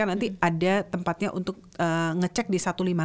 nanti ada tempatnya untuk ngecek di satu ratus lima puluh lima